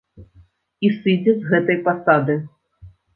І сыдзе з гэтай пасады.